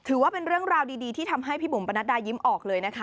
ถือว่าเป็นเรื่องราวดีที่ทำให้พี่บุ๋มประนัดดายิ้มออกเลยนะคะ